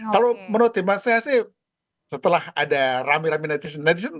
kalau menurut teman saya sih setelah ada rame rame netizen netizen